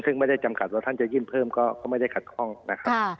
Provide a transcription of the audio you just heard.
ซึ่งไม่ได้จำกัดว่าท่านจะยื่นเพิ่มก็ไม่ได้ขัดข้องนะครับ